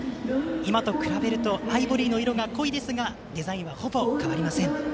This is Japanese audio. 今と比べるとアイボリーの色が濃いですがデザインはほぼ変わりません。